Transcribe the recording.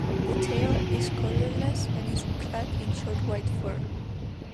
The tail is colourless and is clad in short white fur.